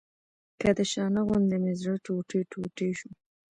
که د شانه غوندې مې زړه ټوټې ټوټې شو.